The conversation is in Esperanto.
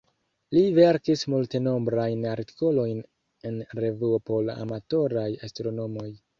Li verkis multenombrajn artikolojn en revuoj por amatoraj astronomoj.